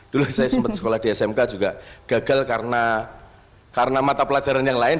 dulu saya sempat sekolah di smk juga gagal karena mata pelajaran yang lain